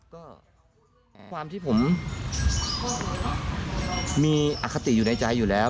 ก็ความที่ผมมีอคติอยู่ในใจอยู่แล้ว